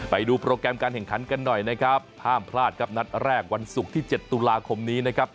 ไปดูโปรแกรมการแข่งขันกันหน่อยนะครับห้ามพลาดครับนัดแรกวันศุกร์ที่๗ตุลาคมนี้นะครับ